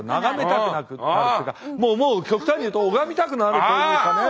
もうもう極端に言うと拝みたくなるというかね。